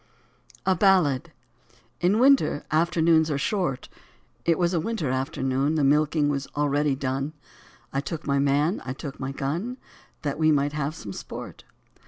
64 A BALLAD. IN winter, afternoons are short ; It was a winter afternoon. The milking was already done ; I took my man, I took my gun. That we might have some sport.